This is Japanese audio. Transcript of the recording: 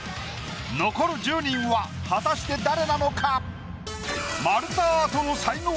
残る１０人は果たして誰なのか？